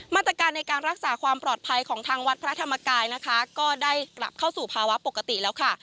มาตรการในการรักษาความปลอดภัยของทางวัดพระธรรมกายนะคะก็ได้กลับเข้าสู่ภาวะปกติแล้วค่ะ